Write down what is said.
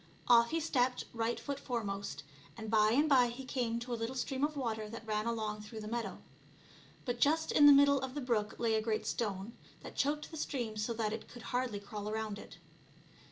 Off he stepped right foot foremost, and by and by he came to a little stream of water that ran along through the meadow. But just in the mid dle of the brook lay a great stone, that choked the stream so that it could hardly crawl around it.